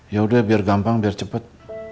yaudah biar gampang biar cepet